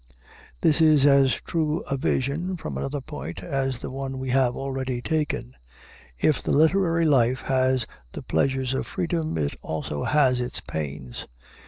This is as true a view, from another point, as the one we have already taken. If the literary life has the pleasures of freedom, it has also its pains.